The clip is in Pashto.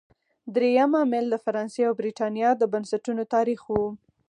درېیم عامل د فرانسې او برېټانیا د بنسټونو تاریخ و.